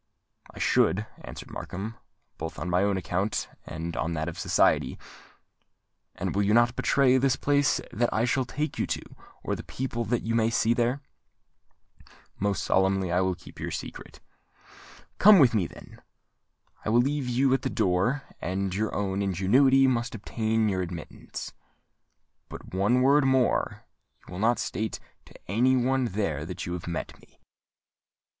"I should," answered Markham; "both on my own account and on that of society." "And you will not betray the place that I shall take you to, or the people that you may see there?" "Most solemnly will I keep your secret." "Come with me, then. I will leave you at the door; and your own ingenuity must obtain you admittance. But, one word more: you will not state to any one there that you have met me?"